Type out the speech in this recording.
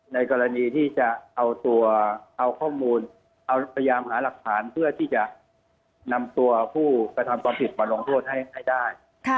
ในกรณีที่จะเอาตัวเอาข้อมูลเอาพยายามหาหลักฐานเพื่อที่จะนำตัวผู้กระทำความผิดมาลงโทษให้ได้